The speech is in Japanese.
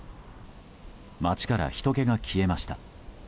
街から、ひとけが消えました。